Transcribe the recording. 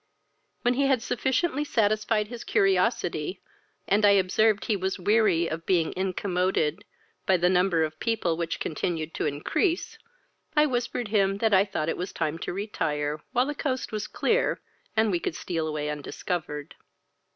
When he had sufficiently satisfied his curiosity, and I observed he was weary of being incommoded by the number of people which continued to increase, I whispered him that I thought it time to retire, while the coast was clear, and we could steal away undiscovered.